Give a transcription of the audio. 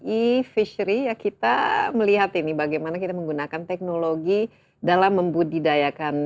e fishery ya kita melihat ini bagaimana kita menggunakan teknologi dalam membudidayakan